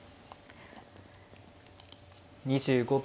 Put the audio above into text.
２５秒。